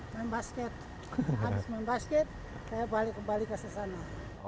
habis main basket saya balik ke balik ke sasana